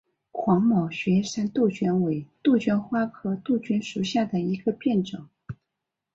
黄毛雪山杜鹃为杜鹃花科杜鹃属下的一个变种。